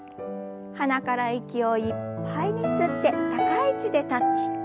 鼻から息をいっぱいに吸って高い位置でタッチ。